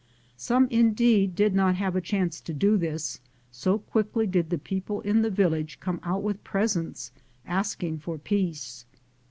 Some indeed did not have a chance to do this, so quickly did the people in the village come out with presents, asking for peace.